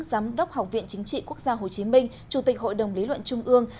giám đốc học viện chính trị quốc gia hồ chí minh chủ tịch hội đồng lý luận trung ương